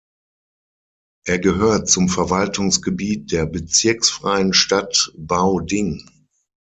Er gehört zum Verwaltungsgebiet der bezirksfreien Stadt Baoding.